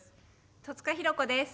戸塚寛子です。